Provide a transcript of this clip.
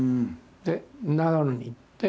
で長野に行って。